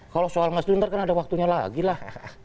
kalau soal masjid itu nanti kan ada waktunya lagi lah